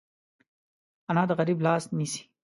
انا د غریب لاس نیسي